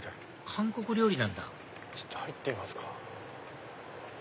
韓国料理なんだちょっと入ってみますか。